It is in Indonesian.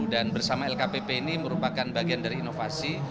dan bersama lkpp ini merupakan bagian dari inovasi